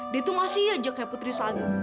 dia itu ngasih iya aja kayak putri salju